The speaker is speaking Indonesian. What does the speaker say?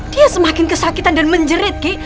dia semakin kesakitan dan menjerit ki